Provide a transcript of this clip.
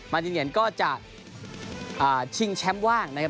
ดินเหงียนก็จะชิงแชมป์ว่างนะครับ